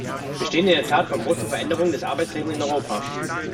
Wir stehen in der Tat vor großen Veränderungen des Arbeitslebens in Europa.